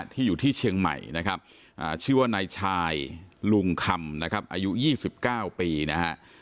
อยู่ที่เชียงใหม่นะครับชื่อว่านายชายลุงคำนะครับอายุ๒๙ปีนะฮะ